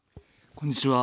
こんにちは。